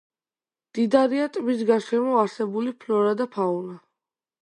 მდიდარია ტბის გარშემო არსებული ფლორა და ფაუნა.